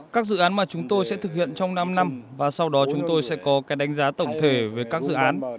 các dự án mà chúng tôi sẽ thực hiện trong năm năm và sau đó chúng tôi sẽ có cái đánh giá tổng thể về các dự án